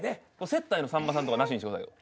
接待のさんまさんとかなしにしてくださいよ。